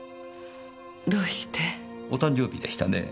お誕生日でしたね？